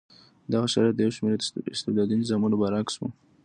دغه شرایط د یو شمېر استبدادي نظامونو برعکس و.